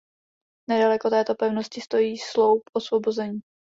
Nedaleko této pevnosti stojí sloup osvobození.